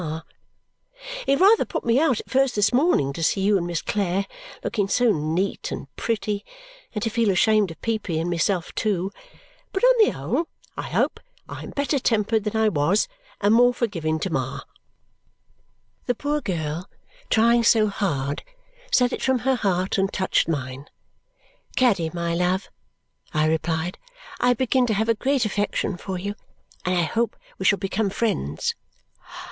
It rather put me out at first this morning to see you and Miss Clare looking so neat and pretty and to feel ashamed of Peepy and myself too, but on the whole I hope I am better tempered than I was and more forgiving to Ma." The poor girl, trying so hard, said it from her heart, and touched mine. "Caddy, my love," I replied, "I begin to have a great affection for you, and I hope we shall become friends."